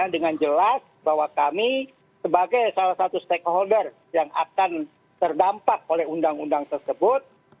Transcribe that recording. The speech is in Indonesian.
dengan jelas bahwa kami sebagai salah satu stakeholder yang akan terdampak oleh undang undang tersebut